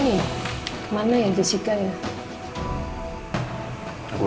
nih udah jam segen nih ini